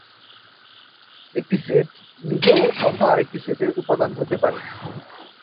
একটি সেট নিজেও অন্য আরেকটি সেটের উপাদান হতে পারে।